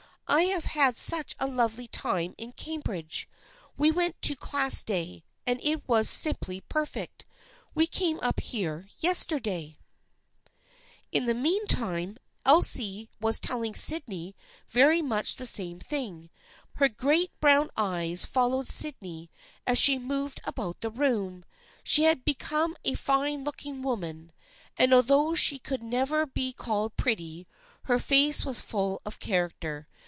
I have had such a lovely time in Cambridge. We went to Class Day and it was simply perfect. We came up here yesterday." 324 THE FKIENDSHIP OF ANNE In the meantime Elsie was telling Sydney very much the same thing, but in her own quiet way. Her great brown eyes followed Sydney as she moved about the room. She had become a fine looking woman, and although she could never be called pretty, her face was full of character.